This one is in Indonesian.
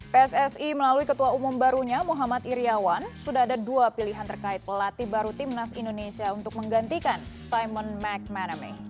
pssi melalui ketua umum barunya muhammad iryawan sudah ada dua pilihan terkait pelatih baru timnas indonesia untuk menggantikan simon mcmanamy